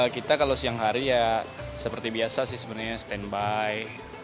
kita kalau siang hari ya seperti biasa sih sebenarnya standby